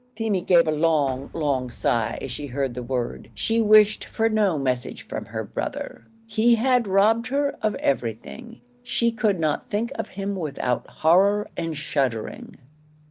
Feemy gave a long, long sigh as she heard the word. She wished for no message from her brother; he had robbed her of everything; she could not think of him without horror and shuddering.